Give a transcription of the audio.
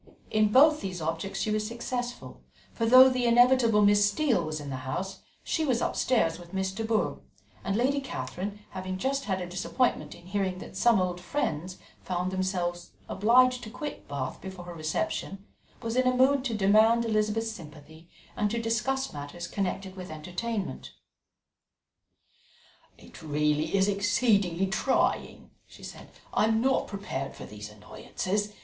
In both these objects she was successful; for though the inevitable Miss Steele was in the house, she was upstairs with Miss de Bourgh, and Lady Catherine having just had a disappointment in hearing that some old friends found themselves obliged to quit Bath before her reception, was in a mood to demand Elizabeth's sympathy and to discuss matters connected with entertainment. "It really is exceedingly trying," she said. "I am not prepared for these annoyances.